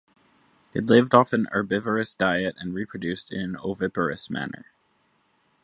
It lived off a herbivorous diet and reproduced in an oviparous manner.